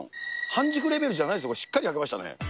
半熟レベルじゃないです、しっかり焼けましたね。